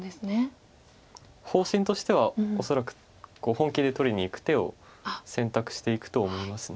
方針としては恐らく本気で取りにいく手を選択していくと思います。